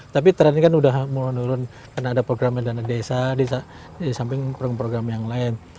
tapi terakhir kan sudah menurun karena ada program medana desa di samping program program yang lain